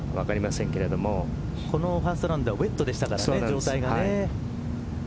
このファーストラウンドはウエットですからね状態が。